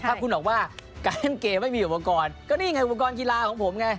ถ้าคุณบอกว่าการเล่นเกมไม่มีอุปกรณ์ก็นี่ไงอุปกรณ์กีฬาของผมไง